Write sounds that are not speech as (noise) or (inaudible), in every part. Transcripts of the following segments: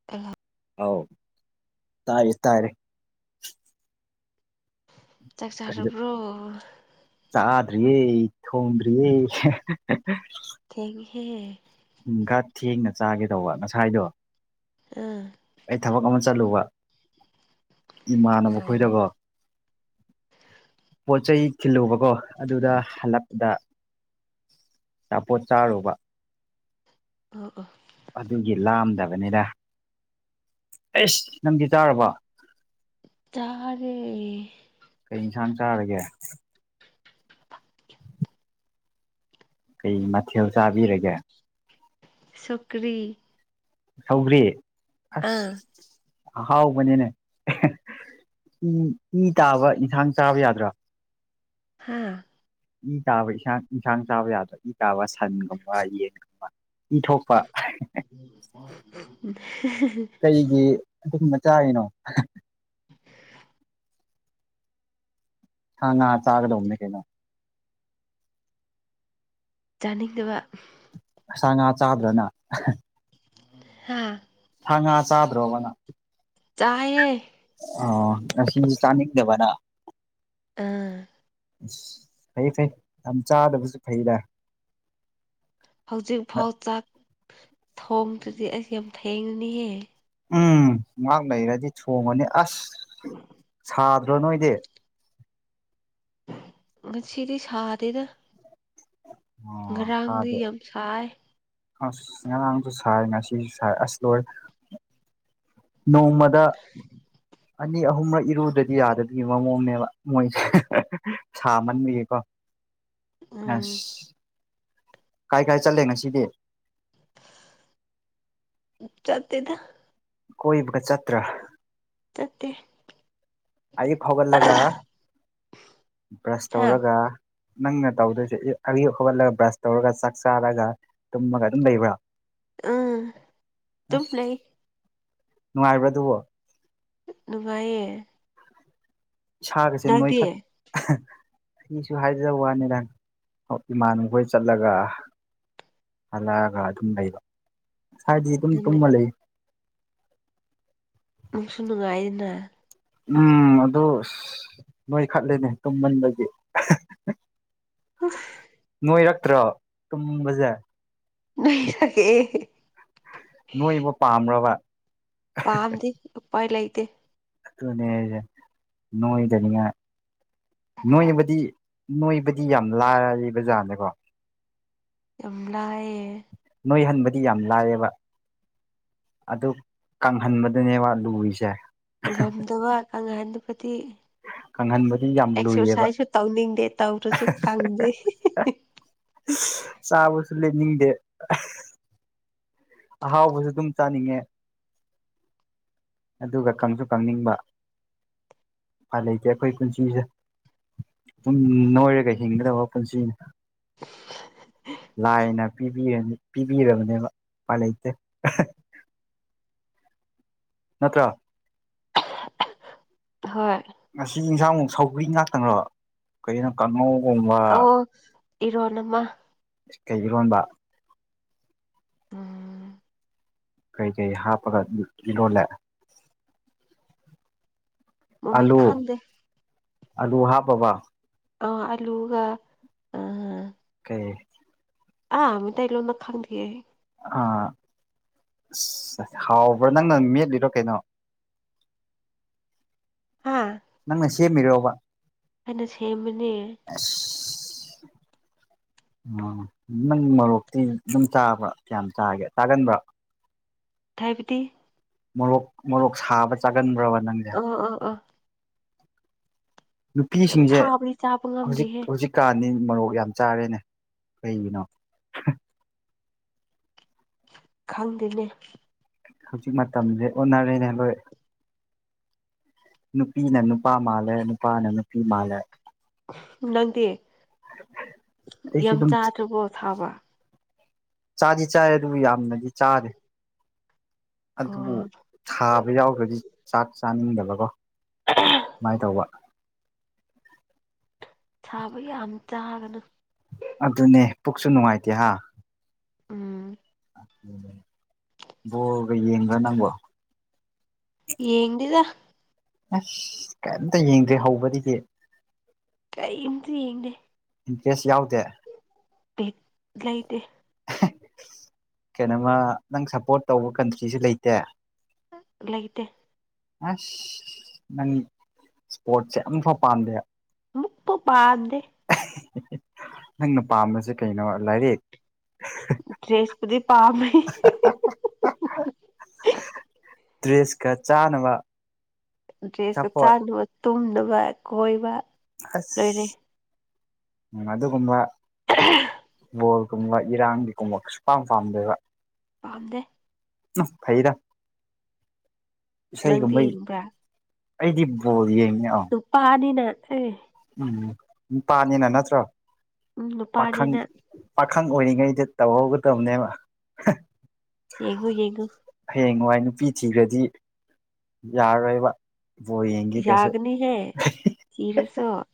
(unintelligible) ꯑꯥꯎ ꯇꯥꯏꯌꯦ ꯇꯥꯏꯔꯦ ꯆꯥꯛ ꯀꯩꯅꯣ ꯆꯥꯔꯕꯔꯣ ꯆꯥꯗ꯭ꯔꯤꯌꯦ ꯊꯣꯡꯗ꯭ꯔꯤꯌꯦ ꯊꯦꯡꯉꯦꯍꯦ ꯎꯃ ꯈꯔ ꯊꯦꯡꯅ ꯆꯥꯒꯦ ꯇꯧꯕ ꯉꯁꯥꯏꯗꯣ ꯑꯥ ꯑꯩ ꯊꯕꯛ ꯑꯃ ꯆꯠꯂꯨꯕ ꯑ ꯑꯣ ꯏꯃꯥꯟꯅꯈꯣꯏꯗꯒꯣ ꯄꯣꯠ ꯆꯩ ꯊꯤꯜꯂꯨꯕꯀꯣ ꯑꯗꯨꯗ ꯍꯜꯂꯛꯄꯗ ꯑꯆꯥꯄꯣꯠ ꯆꯥꯔꯨꯕ ꯑ ꯑꯥ ꯑꯗꯨꯒꯤ ꯂꯥꯝꯗꯕꯅꯤꯗꯥ ꯑꯩꯁ ꯅꯪꯗꯤ ꯆꯥꯔꯕꯣ ꯆꯥꯔꯦ ꯀꯩ ꯏꯟꯁꯥꯡ ꯆꯥꯔꯒꯦ (unintelligible) ꯀꯩ ꯃꯊꯦꯜ ꯆꯥꯕꯤꯔꯒꯦ ꯁꯣꯛꯀ꯭ꯔꯤ ꯁꯧꯒ꯭ꯔꯤ ꯑꯁ ꯑꯥ ꯑꯍꯥꯎꯕꯅꯤꯅꯦ ꯑꯦꯍꯦ ꯏ ꯏ ꯇꯥꯕ ꯏꯟꯁꯥꯡ ꯆꯥꯕ ꯌꯥꯗ꯭ꯔꯥ ꯍꯥꯥ ꯏ ꯇꯥꯕ ꯏꯟꯁꯥꯡ ꯏꯟꯁꯥꯡ ꯆꯥꯕ ꯌꯥꯗ꯭ꯔꯣ ꯏ ꯀꯥꯕ ꯁꯟꯒꯨꯝꯕ ꯌꯦꯟꯒꯨꯝꯕ ꯏ ꯊꯣꯛꯄ ꯍꯦꯍꯦꯍꯦ ꯀꯩꯒꯤ ꯑꯗꯨꯨꯝꯕ ꯃꯆꯥꯔꯤꯅꯣ (inaudible) ꯍꯥꯡ ꯉꯥ ꯆꯥꯒꯗꯧꯅꯦ ꯀꯩꯩꯅꯣ ꯆꯥꯅꯤꯡꯗꯕ ꯁꯥ ꯉꯥ ꯆꯥꯗ꯭ꯔꯅ ꯑꯍꯥ ꯍꯥꯥ ꯊ ꯉꯥ ꯆꯥꯗ꯭ꯔꯣꯕꯅ ꯆꯥꯏꯌꯦ ꯑ ꯑꯁꯤ ꯆꯥꯅꯤꯡꯗꯕ ꯅꯪ ꯑꯥ ꯑꯁ ꯐꯩ ꯐꯩ ꯌꯥꯝ ꯆꯥꯗꯕꯁꯨ ꯐꯩꯗ ꯍꯧꯖꯤꯛꯐꯥꯎ ꯆꯥꯛ ꯊꯣꯡꯗ꯭ꯔꯤꯗꯤ ꯑꯩꯁ ꯌꯥꯝ ꯐꯦꯡꯅꯦꯍꯦ ꯎꯝ ꯉꯍꯥꯛ ꯂꯩꯩꯔꯗꯤ ꯊꯣꯡꯉꯅꯤ ꯑꯁ ꯁꯥꯗ꯭ꯔꯣ ꯅꯣꯏꯗꯤ ꯉꯁꯤꯗꯤ ꯁꯥꯗꯦꯗ ꯑꯣ ꯉꯔꯥꯡꯗꯤ ꯊꯥꯗꯦ ꯌꯥꯝ ꯁꯥꯏ ꯉꯔꯥꯡꯁꯨ ꯁꯥꯏ ꯉꯁꯤꯁꯨ ꯁꯥꯏ ꯑꯁ ꯂꯣꯑꯦ ꯅꯣꯡꯃ ꯗ ꯑꯅꯤ ꯑꯍꯨꯝꯔꯛ ꯏꯔꯨꯗꯔꯗꯤ ꯌꯥꯗꯕꯒꯤ ꯃꯑꯣꯡꯅꯦꯕ ꯃꯣꯏꯁꯦ ꯁꯥꯃꯟꯕꯒꯤꯀꯣ (inaudible) ꯑꯁ ꯀꯥꯏ ꯀꯥꯏ ꯆꯠꯂꯦ ꯉꯁꯤꯗꯤ ꯆꯦꯇꯦꯗ ꯀꯣꯏꯕꯒ ꯆꯠꯇ꯭ꯔꯥ ꯆꯠꯇꯦ ꯑꯌꯨꯛ ꯐꯥꯎꯒꯠꯂꯒ ꯕ꯭ꯔꯁ ꯍꯥ ꯇꯧꯔꯒ ꯅꯪꯅ ꯇꯧꯗꯣꯏꯖꯦ ꯑꯌꯨꯛ ꯍꯧꯒꯠꯂꯒ ꯕ꯭ꯔꯁ ꯇꯧꯔꯒ ꯆꯥꯛ ꯆꯥꯔꯒ ꯇꯨꯝꯃꯒ ꯑꯗꯨꯝ ꯂꯩꯕ꯭ꯔꯥ ꯎꯝ ꯇꯝ ꯑꯁ ꯂꯩ ꯅꯨꯡꯉꯥꯏꯕ꯭ꯔꯥ ꯑꯗꯨꯕꯣ ꯅꯨꯡꯉꯥꯏꯌꯦ ꯏꯁꯥꯒꯁꯦ ꯅꯪꯗꯤ ꯅꯣꯏꯈꯠ ꯑꯩꯁꯨ ꯍꯥꯏꯖꯕ ꯋꯥꯅꯤꯗꯪ ꯏꯃꯥꯟꯅꯕꯈꯣꯏ ꯆꯠꯂꯒ ꯍꯜꯂꯛꯑꯒ ꯑꯗꯨꯝ ꯂꯩꯕ ꯍꯥꯏꯗꯤ ꯑꯗꯨꯝ ꯅꯪ ꯇꯨꯝꯃ ꯂꯩ ꯅꯨꯡꯁꯨ ꯅꯨꯡꯉꯥꯏꯅ ꯎꯝ ꯑꯗꯨ ꯑꯁ ꯅꯣꯏ ꯈꯠꯂꯦꯅꯦ ꯇꯨꯝꯃꯟꯕꯒꯤ ꯅꯣꯏꯔꯛꯇ꯭ꯔꯣ ꯇꯨꯝꯕꯖꯦ (unintelligible) ꯅꯣꯏꯕ ꯄꯥꯝꯕ꯭ꯔꯕ ꯄꯥꯝꯗꯦ ꯎꯄꯥꯏ ꯂꯩꯇꯦ ꯗꯨꯅꯦ ꯖꯦ ꯅꯣꯏꯗꯅꯤꯉꯥꯏ ꯅꯣꯏꯕꯗꯤ ꯅꯣꯏꯕꯗꯤ ꯌꯥꯝ ꯂꯥꯏꯔ ꯕꯖꯥꯅꯦꯀꯣ ꯌꯥꯝ ꯂꯥꯏꯌꯦ ꯅꯣꯏꯍꯟꯕꯗꯤ ꯌꯥꯝ ꯂꯥꯏꯌꯦꯕ ꯑꯗꯨ ꯀꯪꯍꯟꯕꯗꯨꯅꯦꯕ ꯂꯨꯔꯤꯁꯦ (unintelligible) ꯀꯪꯍꯟꯕꯗꯤ ꯌꯥꯝ ꯂꯨꯏꯌꯦꯕ ꯑꯦꯛꯁꯔꯁꯥꯏꯁꯁꯨ ꯇꯧꯅꯤꯡꯗꯦ ꯇꯧꯗ꯭ꯔꯁꯨ ꯀꯪꯗꯦ ꯆꯥꯕꯁꯨ ꯂꯦꯞꯅꯤꯡꯗꯦ ꯑꯍꯥꯎꯕꯁꯨ ꯗꯨꯝ ꯆꯥꯅꯤꯡꯉꯦ ꯑꯗꯨꯒ ꯀꯪꯁꯨ ꯀꯪꯅꯤꯡꯕ ꯎꯄꯥꯏ ꯂꯩꯇꯦ ꯑꯩꯈꯣꯏ ꯄꯨꯟꯁꯤꯁꯦ ꯗꯨꯝ ꯅꯣꯏꯔꯒ ꯍꯤꯡꯒꯗꯕ ꯄꯨꯟꯁꯤꯅꯦ (unintelligible) ꯂꯥꯏꯅ ꯄꯤꯕꯤꯔꯅꯤ ꯄꯤꯕꯤꯔꯕꯅꯦꯕ ꯎꯄꯥꯏ ꯂꯩꯇꯦ ꯅꯠꯇ꯭ꯔꯣ ꯍꯣꯏ ꯉꯁꯤ ꯏꯪꯖꯥꯡ ꯁꯧꯒ꯭ꯔꯤ ꯉꯥꯛꯇꯪꯒ ꯀꯔꯤꯅꯣ ꯀꯥꯡꯉꯧꯒꯨꯝꯕ ꯑꯣ ꯏꯔꯣꯟ ꯑꯃ ꯀꯩ ꯏꯔꯣꯟꯕ ꯎꯝ ꯀꯩ ꯀꯩ ꯍꯥꯞꯄꯒ ꯏ ꯏꯔꯣꯜꯂꯦ ꯃꯃꯤꯡ ꯑꯥꯂꯨ ꯈꯪꯗꯦ ꯑꯂꯨ ꯍꯥꯞꯄꯕ ꯑ ꯑꯂꯨꯒ ꯀꯩ ꯑ ꯃꯩꯇꯩ ꯂꯣꯟꯗ ꯈꯪꯗꯤꯌꯦ ꯑꯥ ꯏꯁ ꯍꯥꯎꯕ꯭ꯔ ꯅꯪꯅ ꯃꯦꯠꯂꯤꯔꯣ ꯀꯩꯅꯣ ꯍꯥꯥ ꯅꯪꯅ ꯁꯦꯝꯃꯤꯔꯣꯕ ꯑꯩꯅ ꯁꯦꯝꯕꯅꯦ (unintelligible) ꯎꯝ ꯅꯪ ꯃꯔꯣꯛꯇꯤ ꯗꯨꯝ ꯆꯥꯕ꯭ꯔꯥ ꯀꯌꯥꯝ ꯆꯥꯒꯦ ꯆꯥꯒꯟꯕ꯭ꯔ ꯊꯥꯏꯕꯗꯤ ꯃꯣꯔꯣꯛ ꯃꯣꯔꯣꯛ ꯁꯥꯕ ꯆꯥꯒꯟꯕ꯭ꯔꯕ ꯅꯪ ꯑꯣ ꯑꯣ ꯑꯣ ꯌꯥꯝ ꯅꯨꯄꯤꯁꯤꯡꯖꯦ ꯁꯥꯕꯗꯤ ꯆꯥꯕ ꯍꯧꯖꯤꯛ ꯉꯝꯗꯦꯍꯦ ꯍꯧꯖꯤꯛꯀꯥꯟꯗꯤ ꯃꯔꯣꯛ ꯌꯥꯝ ꯆꯥꯔꯦꯅꯦ ꯀꯩꯒꯤꯅꯣ ꯈꯪꯗꯦꯅꯦ ꯍꯧꯖꯤꯛ ꯃꯇꯝꯖꯦ ꯑꯣꯟꯅꯔꯦꯅꯦ ꯂꯣꯏ ꯅꯨꯄꯤꯅ ꯅꯨꯄꯥ ꯃꯥꯜꯂꯦ ꯅꯨꯄꯥꯅ ꯅꯨꯄꯤ ꯃꯥꯜꯂꯦ ꯅꯪꯗꯤ ꯑꯩꯁꯨ ꯌꯥꯝ ꯑꯗꯨꯝ ꯆꯥꯗ꯭ꯔꯕꯣ ꯑꯁꯥꯕ ꯆꯥꯗꯤ ꯆꯥꯏ ꯑꯗꯨꯕꯨ ꯌꯥꯝꯅꯗꯤ ꯆꯥꯗꯦ ꯑꯗꯨꯕꯨ ꯑꯣ ꯁꯥꯕ ꯌꯥꯎꯗ꯭ꯔꯗꯤ ꯆꯥꯛ ꯆꯥꯅꯤꯡꯗꯕꯒꯣ ꯃꯥꯏ ꯇꯧꯕ ꯁꯥꯕ ꯌꯥꯝ ꯆꯥꯒꯅꯨ ꯑꯗꯨꯅꯦ ꯄꯨꯛꯁꯨ ꯅꯨꯡꯉꯥꯏꯇꯦ ꯍꯥ ꯎꯝ ꯕꯣꯜꯒ ꯌꯦꯡꯕꯔ ꯅꯪꯕꯣ ꯌꯦꯡꯗꯦꯗ ꯑꯁ ꯀꯩꯝꯇ ꯌꯦꯡꯗ꯭ꯔꯦ ꯍꯧꯕꯗꯒꯤ ꯀꯩꯏꯝꯇ ꯌꯦꯡꯗꯦ ꯏꯟꯇ꯭ꯔꯦꯁ ꯌꯥꯎꯗꯦ ꯕꯤꯠ ꯂꯩꯇꯦ ꯀꯩꯅꯣꯃ ꯅꯪ ꯁꯞꯄꯣꯔꯠ ꯇꯧꯕ ꯀꯟꯇ꯭ꯔꯤꯖꯨ ꯂꯩꯇꯦ ꯂꯩꯇꯦ ꯑꯁ ꯅꯪ ꯏꯁꯄꯣꯔꯠꯁꯦ ꯑꯝꯐꯥꯎ ꯄꯥꯝꯗꯦ ꯑꯃꯠꯇ ꯄꯥꯝꯗꯦ꯫ (unintelligible) ꯅꯪꯅ ꯄꯥꯝꯕꯁꯦ ꯀꯩꯅꯣ ꯂꯥꯏꯔꯤꯛ ꯭꯭ꯗꯔꯦꯁꯄꯨꯗꯤ ꯄꯥꯝꯃꯤ (unintelligible) (unintelligible) ꯗ꯭ꯔꯦꯁꯀ ꯆꯥꯅꯕ ꯗ꯭ꯔꯦꯁꯀ ꯑꯆꯥꯄꯣꯠ ꯆꯥꯅꯕ ꯇꯨꯝꯅꯕ ꯀꯣꯏꯕ ꯂꯣꯏꯔꯦ ꯑꯁ ꯎꯝ ꯑꯗꯨꯒꯨꯝꯕ \ (unintelligible) ꯕꯣꯜꯒꯨꯝꯕ ꯏꯔꯥꯡꯒꯤꯒꯨꯝꯕꯁꯨꯄꯥꯝ ꯄꯥꯝꯗꯦꯕ꯫ ꯄꯥꯝꯗꯦ꯫ ꯎ ꯐꯩꯗ ꯅꯪꯗꯤ ꯏꯁꯩꯥꯒꯨꯝꯕꯩ ꯌꯦꯡꯕ꯭ꯔꯥ ꯑꯩꯗꯤ ꯕꯣꯜ ꯌꯦꯡꯉꯤ ꯑ ꯅꯨꯄꯥꯅꯤꯅ ꯑꯦ ꯎꯝ ꯅꯨꯄꯥꯅꯤꯅ ꯅꯠꯇ꯭ꯔꯣ ꯎꯝ ꯄꯥꯈꯡ ꯅꯨꯄꯥꯅꯤꯅ ꯄꯥꯈꯪ ꯑꯣꯏꯔꯤꯉꯩꯗ ꯇꯧꯍꯧꯒꯗꯕꯅꯦꯕ (unintelligible) ꯌꯦꯡꯉꯨ ꯌꯦꯡꯉꯨ꯫ ꯍꯌꯦꯡꯋꯥꯏ ꯅꯨꯄꯤ ꯊꯤꯈ꯭ꯔꯗꯤ ꯌꯥꯔꯔꯣꯏꯕ ꯕꯣ ꯌꯦꯡꯒꯦ ꯀꯁꯨ ꯌꯥꯒꯅꯤꯍꯦ (unintelligible) (unintelligible)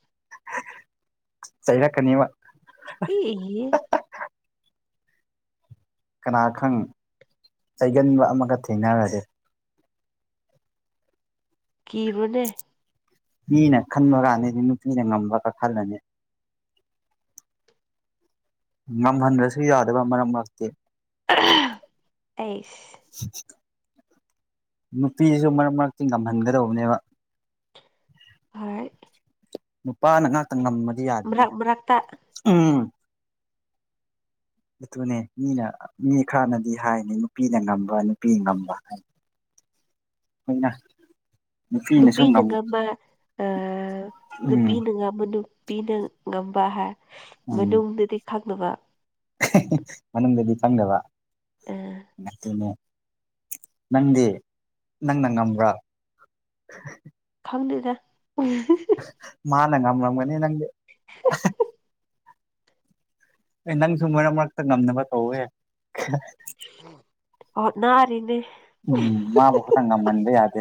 ꯆꯩꯔꯛꯀꯅꯦꯕ꯫ ꯏ (unintelligible) ꯀꯅꯥ ꯈꯪ ꯆꯩꯒꯟꯕ ꯑꯃꯒ ꯊꯦꯡꯅꯔꯗꯤ꯫ ꯀꯤꯕꯅꯦ꯫ ꯃꯤꯅ ꯈꯟꯕ ꯀꯥꯟꯗꯗꯤ ꯅꯨꯄꯤꯅ ꯉꯝꯕꯒ ꯈꯜꯂꯅꯤ꯫ ꯉꯝꯍꯟꯗ꯭ꯔꯕꯁꯨ ꯌꯥꯗꯕ ꯃꯔꯝ ꯃꯔꯛꯇꯤ꯫ (unintelligible) ꯑꯩꯁ (inaudible) ꯅꯨꯄꯤꯁꯤꯁꯨ ꯃꯔꯛ ꯃꯔꯛꯇꯤ ꯉꯝꯍꯟꯒꯗꯧꯕꯅꯦꯕ꯫ ꯍꯣꯏ꯫ ꯅꯨꯄꯥꯅ ꯉꯥꯛꯇ ꯉꯝꯃꯗꯤ ꯌꯥꯗꯦꯅ ꯃꯔꯛ ꯃꯔꯛꯇ ꯎꯝ꯫ ꯑꯗꯨꯅꯦ ꯃꯤꯅ ꯃꯤ ꯈꯔꯅꯗꯤ ꯍꯥꯏꯅꯤ ꯅꯨꯄꯤꯅ ꯉꯝꯕ ꯅꯨꯄꯤ ꯉꯝꯕ ꯍꯥꯏ (unintelligible) ꯅꯨꯄꯤꯅ ꯉꯝ (unintelligible) ꯑ ꯎꯝ ꯅꯨꯄꯤꯅ ꯉꯝꯕ ꯅꯨꯄꯤꯅ ꯉꯝꯕ ꯍꯥꯏ ꯎꯝ ꯃꯅꯨꯡꯗꯗꯤ ꯈꯪꯗꯕ (unintelligible) ꯃꯅꯨꯡꯗꯗꯤ ꯈꯪꯗꯕ ꯑꯥ ꯅꯪꯗꯤ ꯅꯪꯅ ꯉꯝꯕ꯭ꯔꯥ (unintelligible) ꯈꯪꯗꯦꯗ (unintelligible) ꯃꯥꯅ ꯉꯝꯃꯝꯒꯅꯤ ꯅꯪꯗꯤ꯫ (unintelligible) ꯑꯦ ꯅꯪꯁꯨ ꯃꯔꯛ ꯃꯔꯛꯇ ꯉꯝꯅꯕ ꯇꯧꯍꯦ (unintelligible) ꯍꯣꯠꯅꯔꯤꯅꯤ꯫ ꯎꯝ ꯃꯥꯕꯨ ꯈꯛꯇ ꯉꯝꯃꯟꯕ ꯌꯥꯗꯦ꯫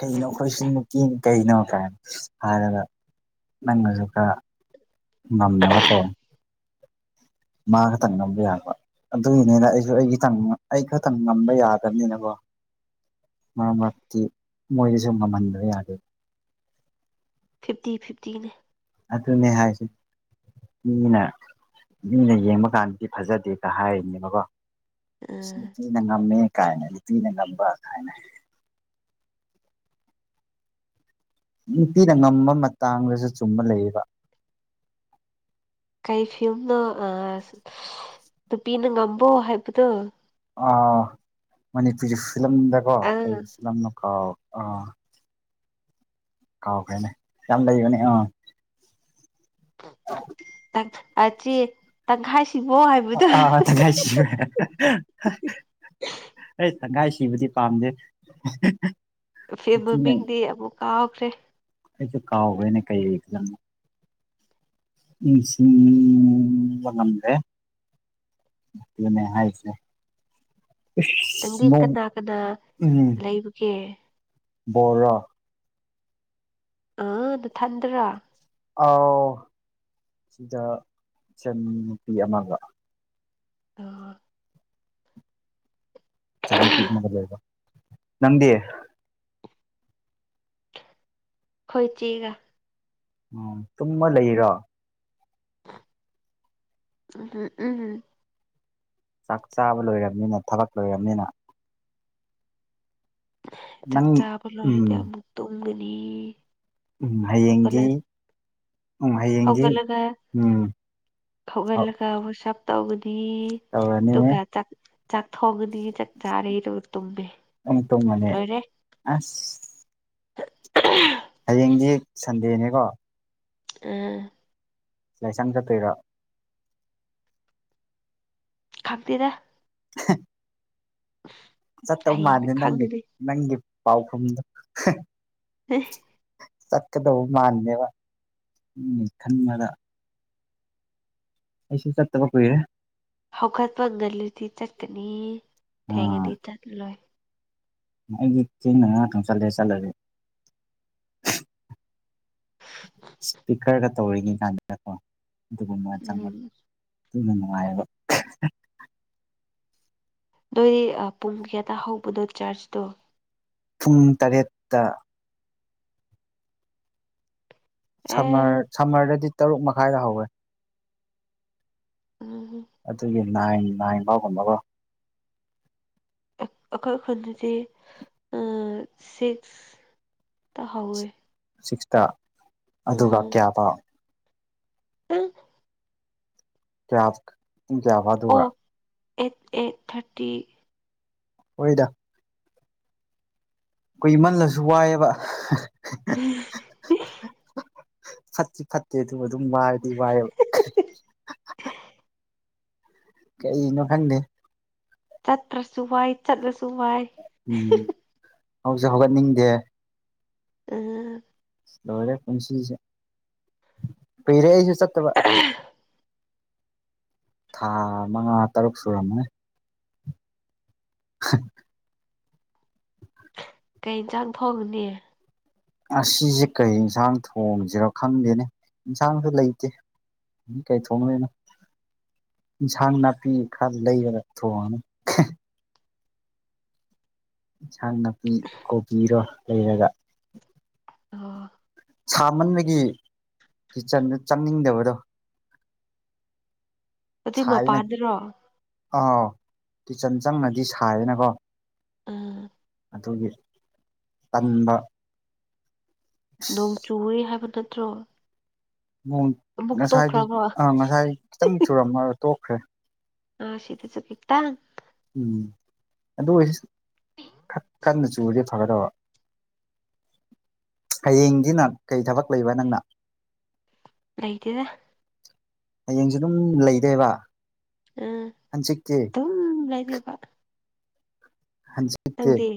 ꯀꯩꯅꯣ ꯑꯩꯈꯣꯏꯁꯨ ꯅꯨꯄꯤꯅꯤ ꯀꯩꯅꯣ ꯀꯥꯏ ꯍꯥꯏꯔꯒ ꯅꯪꯅꯖꯨ ꯈꯔ ꯉꯝꯅꯕ ꯇꯧ꯫ ꯃꯥ ꯈꯛꯇꯪ ꯉꯝꯕ ꯌꯥꯕ꯭ꯔ꯫ ꯑꯗꯨꯒꯤꯅꯤꯅ ꯑꯩꯁꯨ ꯑꯩ ꯈꯤꯇꯪ ꯑꯩ ꯈꯇꯪ ꯉꯝꯕ ꯌꯥꯗꯕꯅꯤꯅꯀꯣ꯫ ꯃꯔꯛ ꯃꯔꯛꯇꯤ ꯃꯣꯏꯗꯁꯨ ꯉꯝꯍꯟꯗꯕ ꯌꯥꯗꯦ꯫ ꯐꯤꯞꯇꯤ ꯐꯤꯞꯇꯤꯅꯦ꯫ ꯑꯗꯨꯅꯦ ꯍꯥꯏꯁꯤ ꯃꯤꯅ ꯃꯤꯅ ꯌꯦꯡꯕ ꯀꯥꯟꯗꯗꯤ ꯐꯖꯗꯦꯒ ꯍꯥꯏꯔꯤꯅꯦꯕꯀꯣ ꯑꯥ ꯅꯨꯄꯤꯅ ꯉꯝꯃꯦ ꯀꯥꯏꯅ ꯅꯨꯄꯤꯅ ꯉꯝꯕ ꯀꯥꯏꯅ ꯅꯨꯄꯤꯅ ꯉꯝꯕ ꯃꯇꯥꯡꯗꯁꯨ ꯆꯨꯝꯕ ꯂꯩꯌꯦꯕ ꯀꯩ ꯐꯤꯝꯅꯣ ꯅꯨꯄꯤꯅ ꯉꯝꯕꯣ ꯍꯥꯏꯕꯗꯣ ꯃꯅꯤꯄꯨꯔꯤ ꯐꯤꯂꯝꯗꯀꯣ ꯀꯔꯤ ꯐꯤꯂꯝꯅꯣ ꯀꯥꯎ ꯀꯥꯎꯈ꯭ꯔꯦꯅꯦ ꯌꯥꯝ ꯂꯩꯕꯅꯦ ꯑꯥ ꯆ ꯇ ꯈꯥꯏꯁꯤꯕꯣ ꯍꯥꯏ ꯑꯥ ꯆ ꯀꯥꯏꯁꯤꯕ ꯑꯦ ꯑꯩ ꯁꯪꯒꯥꯏ ꯁꯤꯕꯗꯤ ꯄꯥꯝꯗꯦ ꯐꯦ ꯅꯨꯄꯤꯅ ꯃꯃꯤꯡꯗꯤ ꯑꯃꯨꯛ ꯀꯥꯎꯈ꯭ꯔꯦ ꯑꯩꯁꯨ ꯀꯥꯎꯈ꯭ꯔꯦꯅꯦ ꯀꯩ ꯗꯪꯅꯣ ꯏꯁꯤꯡꯁꯤꯡ ꯉꯝ꯭ꯔꯦ ꯅꯦ ꯍꯥꯏꯁꯦ ꯅꯪꯗꯤ ꯏꯁ ꯅꯣꯡ ꯀꯅꯥ ꯀꯅꯥ ꯂꯩꯕꯒꯦ ꯕꯣꯔ ꯑꯥ ꯑꯗꯨ ꯊꯟꯗ꯭ꯔꯥ ꯑꯥꯎ ꯁꯤꯗ ꯁꯦꯟ ꯅꯨꯄꯤ ꯑꯃꯒ ꯑ ꯑꯩꯈꯣꯏ ꯆꯒ ꯂꯩꯕ ꯅꯪꯗꯤ ꯈꯣꯏꯣꯏ ꯆꯤꯒ ꯎꯝ ꯇꯨꯝꯃ ꯂꯩꯔꯥ ꯎ ꯎꯝ ꯎꯝ ꯎꯝ ꯆꯥꯛ ꯆꯥꯕ ꯂꯣꯏꯔꯕꯅꯤꯅ ꯊꯕꯛ ꯂꯣꯏꯔꯕꯅꯤꯅ ꯆꯥꯛ ꯅꯪ ꯆꯥꯕ ꯂꯣꯏꯔꯗꯤ ꯎꯝ ꯑꯃꯨꯛ ꯇꯨꯝꯒꯅꯤ ꯎꯝ ꯍꯌꯦꯡꯗꯤ ꯎꯝ ꯍꯌꯦꯡꯗꯤ ꯍꯧꯒꯂꯒ ꯎꯝ ꯍꯧꯒ ꯂꯒ ꯁ ꯇꯧꯒꯅꯤ ꯇꯧꯔꯅꯤ ꯑꯗꯨꯒ ꯆꯥꯛ ꯆꯥꯛ ꯊꯣꯡꯒꯅꯤ ꯆꯥꯛ ꯆꯥꯔꯩꯗꯨ ꯇꯨꯝꯃꯤ ꯎ ꯇ ꯃꯅꯦ ꯑꯁ ꯍꯌꯦꯡꯗꯤ ꯁꯟꯗꯦꯅꯦꯀꯣ ꯑ ꯂꯥꯏꯁꯥꯡ ꯆꯠꯇꯣꯏꯔꯥ ꯈꯪꯗꯦꯗ (unintelligible) (unintelligible) ꯆꯠꯇꯧ ꯍꯌꯦꯡꯗꯤ ꯃꯥꯜꯗꯦ ꯅꯪꯒꯤ ꯈꯪꯒꯅꯤ ꯅꯪꯒꯤ ꯄꯥꯎꯈꯨꯝꯗꯣ ꯍ ꯆꯠꯀꯗꯧꯕ ꯃꯥꯜꯂꯦꯕ ꯎꯝ ꯈꯟꯕꯗ ꯑꯩꯁꯨ ꯆꯠ ꯇꯕ ꯀꯣꯏꯔꯦ ꯍꯧꯒꯠꯄ ꯉꯂꯗꯤ ꯆꯠꯀꯅꯤ ꯊꯦꯡꯅꯗꯤ ꯆꯠꯂ ꯂꯣꯏ ꯑꯩꯒꯤ ꯊꯦꯡꯅ ꯉꯥꯛ ꯊꯝ ꯆꯠꯂꯦ ꯆꯠꯂꯁꯦ ꯏꯁꯄꯤꯀꯔꯒ ꯇꯧꯔꯤꯉꯩ ꯀꯥꯟꯁꯤꯗꯀꯣ ꯑꯗꯨꯒꯨꯝꯕ ꯎꯝ ꯆꯪꯕꯗ ꯑꯗꯨꯅ ꯅꯨꯡꯉꯥꯏꯌꯦꯕ ꯑꯗꯨꯣꯏꯗꯤ ꯄꯨꯡ ꯀꯌꯥꯗ ꯍꯧꯕꯅꯣ ꯆꯥꯔꯖꯇꯣ ꯄꯨꯡ ꯇꯔꯦꯠꯇ ꯑꯦ ꯁꯝꯃꯔ ꯁꯝꯃꯔꯗꯗꯤ ꯇꯔꯨꯛ ꯃꯈꯥꯏꯗ ꯍꯧꯋꯦ ꯎꯝ ꯑꯗꯨꯒꯤ ꯅꯥꯏꯟ ꯅꯥꯏꯟ ꯐꯥꯎꯒꯨꯝꯕꯒ ꯑꯈꯛ ꯑꯈꯟꯗꯗꯤ ꯁꯤꯛꯁꯇ ꯍꯥꯎꯋꯦ ꯁꯤꯛꯁꯇ ꯑꯗꯨꯒ ꯀꯌꯥꯕ ꯎꯝ (unintelligible) ꯄꯨꯡ ꯀꯌꯥ ꯑꯦꯠ ꯑꯦꯠ ꯊꯥꯔꯇꯤ ꯍꯣꯏꯗ ꯀꯨꯏꯃꯜꯂꯁꯨ ꯋꯥꯏꯑꯦꯕ (unintelligible) ꯐꯠꯇꯤ ꯐꯠꯇꯦ ꯑꯗꯨꯕꯨ ꯑꯗꯨꯝ ꯋꯥꯏꯔꯗꯤ ꯋꯥꯏꯌꯦꯕ ꯀꯔꯤꯅꯣ ꯈꯪꯗꯦ ꯆꯠꯇ꯭ꯔꯁꯨ ꯋꯥꯏ ꯆꯠꯂꯁꯨ ꯋꯥꯏ ꯎꯝ ꯍꯧꯁꯨ ꯍꯧꯒꯠꯅꯤꯡꯗꯦ ꯎꯝ ꯂꯣꯏꯔꯦ ꯄꯨꯟꯁꯤꯁꯦ ꯀꯨꯏꯔꯦ ꯑꯩꯁꯨ ꯆꯠꯇꯕ (unintelligible) ꯊꯥ ꯃꯉꯥ ꯇꯔꯨꯛ ꯁꯨꯔꯝꯃꯅꯤ (unintelligible) ꯀꯩ ꯏꯟꯁꯥꯡ ꯊꯣꯡꯉꯅꯤ ꯉꯥꯁꯤꯁꯦ ꯀꯔꯤ ꯏꯟꯁꯥꯡ ꯊꯣꯡꯁꯤꯔ ꯈꯪꯗꯦꯅꯦ ꯏꯟꯁꯥꯡꯁꯨ ꯂꯩꯇꯦ ꯀꯩ ꯊꯣꯡꯗꯣꯏꯅꯣ ꯏꯟꯁꯥꯡ ꯅꯥꯄꯤ ꯈꯔ ꯂꯩꯔꯒ ꯊꯣꯡꯉꯅꯤ ꯏꯟꯁꯥꯡ ꯅꯥꯄꯤ ꯀꯣꯕꯤꯔ ꯂꯩꯔꯒ ꯑꯣ ꯁꯥꯃꯟꯕꯒꯤ ꯀꯤꯠꯆꯟꯗ ꯆꯪꯅꯤꯡꯗꯕꯗꯣ ꯍꯧꯖꯤꯛ ꯁꯥꯏꯅꯦ ꯃꯄꯥꯟꯗꯔꯣ ꯑꯣ ꯀꯤꯆꯟ ꯆꯪꯉꯗꯤ ꯁꯥꯏꯌꯦꯅꯀꯣ ꯎꯝ ꯑꯗꯨꯒꯤ ꯇꯟꯕ ꯅꯣꯡ ꯆꯨꯋꯦ ꯍꯥꯏꯕ ꯅꯠꯇ꯭ꯔꯣ ꯅꯣꯡ ꯑꯃꯨꯛ ꯉꯁꯥꯏꯗꯤ ꯇꯣꯛꯈ꯭ꯔꯕꯣ ꯑꯥ ꯉꯁꯥꯏ ꯈꯤꯇꯪ ꯆꯨꯔꯝꯃꯒ ꯇꯣꯛꯈ꯭ꯔꯦ ꯑꯥ (unintelligible) ꯈꯤꯇꯪ ꯎꯝ ꯑꯗꯨ ꯈꯔꯥ ꯀꯟꯅ ꯆꯨꯔꯗꯤ ꯐꯒꯗꯕ ꯍꯌꯦꯡꯁꯤꯅ ꯀꯩ ꯊꯕꯛ ꯂꯩꯕ ꯅꯪꯅ ꯂꯩꯇꯦꯗ ꯍꯌꯦꯡꯁꯨ ꯑꯗꯨꯝ ꯂꯩꯗꯣꯏꯕ ꯑꯥ ꯍꯟꯆꯤꯠꯇꯤ ꯗꯨꯝ ꯂꯩꯗꯣꯏꯕ (unintelligible) ꯅꯪꯗꯤ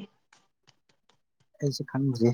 ꯑꯩꯁꯨ ꯈꯪꯗ꯭ꯔꯤ